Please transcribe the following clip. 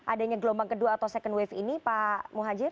adanya gelombang kedua atau second wave ini pak muhajir